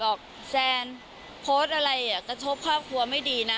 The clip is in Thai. แซนโพสต์อะไรกระทบครอบครัวไม่ดีนะ